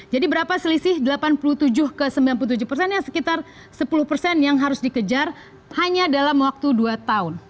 berapa selisih delapan puluh tujuh ke sembilan puluh tujuh persen yang sekitar sepuluh persen yang harus dikejar hanya dalam waktu dua tahun